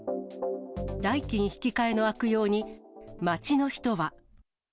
代金引き換えの悪用に、街の人は。